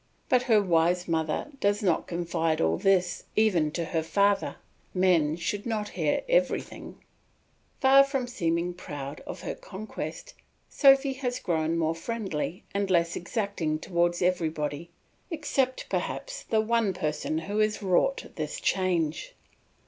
But her wise mother does not confide all this even to her father; men should not hear everything. Far from seeming proud of her conquest, Sophy has grown more friendly and less exacting towards everybody, except perhaps the one person who has wrought this change.